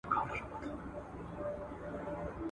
آیا مرغۍ په ډنډ کې اوبه وڅښلې؟